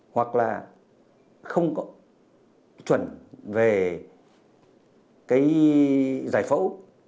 hoặc là không có chuẩn về cái giải phẫu